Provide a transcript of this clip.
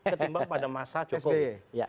ketimbang pada masa jokowi